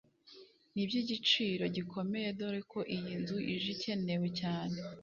ni iby’igiciro gikomeye dore ko iyi nzu ije ikenewe cyane